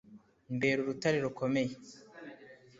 mbera urutare rukomeye